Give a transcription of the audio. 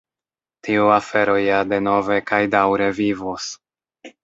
Tiu afero ja denove kaj daŭre vivos.